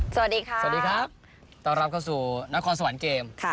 สวัสดีค่ะสวัสดีครับต้อนรับเข้าสู่นครสวรรค์เกม